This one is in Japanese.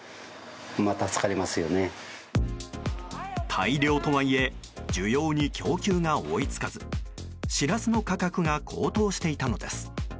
大漁とはいえ需要に供給が追い付かずシラスの価格が高騰していたのです。